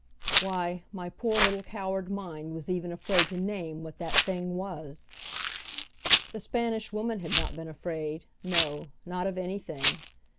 Why, my poor little coward mind was even afraid to name what that thing was! The Spanish Woman had not been afraid, no, not of anything!